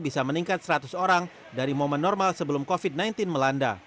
bisa meningkat seratus orang dari momen normal sebelum covid sembilan belas melanda